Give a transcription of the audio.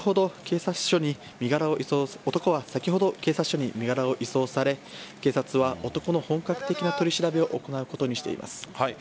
男は先ほど警察署に身柄を移送され警察は男の本格的な取り調べを行うことにしています。